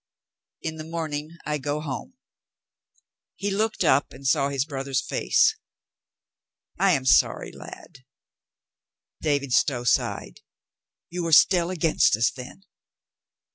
"In the morning I go home." He looked up and saw his brother's face. "I am sorry, lad." David Stow sighed. "You are still against us, then?"